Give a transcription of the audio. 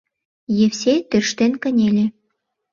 Евсей тӧрштен кынеле.